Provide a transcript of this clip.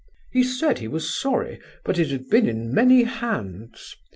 "He said he was sorry; but it had been in many hands.